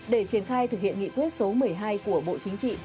để triển khai thực hiện nghị quyết số một mươi hai của bộ chính trị